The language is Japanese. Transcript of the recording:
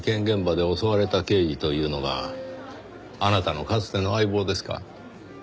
現場で襲われた刑事というのがあなたのかつての相棒ですか？